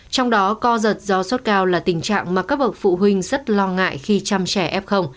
trong đó co giật do sốt cao là tình trạng mà các bậc phụ huynh rất lo ngại khi chăm trẻ f